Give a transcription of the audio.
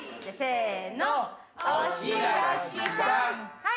はい。